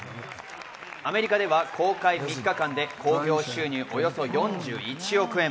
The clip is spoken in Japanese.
アメリカでは公開３日間で興行収入およそ４１億円。